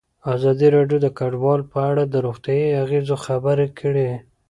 ازادي راډیو د کډوال په اړه د روغتیایي اغېزو خبره کړې.